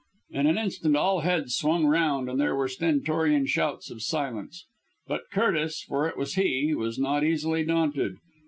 In an instant all heads swung round and there were stentorian shouts of "Silence!" But Curtis for it was he was not easily daunted.